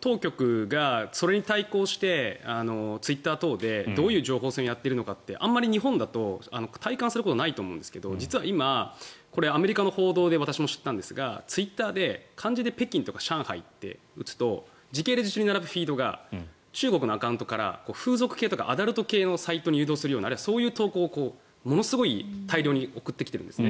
当局がそれに対抗してツイッター等でどういう情報戦をやっているのかってあまり日本だと体感することがないと思うんですが実は今、アメリカの報道で私も知ったんですがツイッターで漢字で北京とか上海とかって打つと時系列上に並ぶフィードが中国のアカウントから風俗系とかアダルト系のサイトに誘導するようにあるいはそういう投稿をものすごい大量に送ってきているんですね。